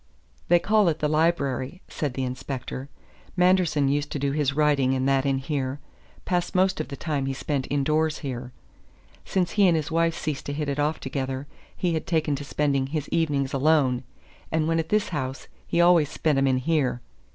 "They call it the library," said the inspector. "Manderson used to do his writing and that in here; passed most of the time he spent indoors here. Since he and his wife ceased to hit it off together, he had taken to spending his evenings alone, and when at this house he always spent 'em in here.